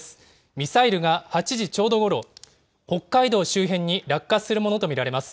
ミサイルが８時ちょうどごろ、北海道周辺に落下するものと見られます。